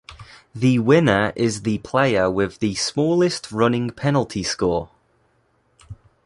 The winner is the player with the smallest running penalty score.